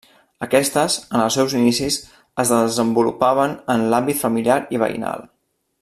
Aquestes, en els seus inicis es desenvolupaven en l’àmbit familiar i veïnal.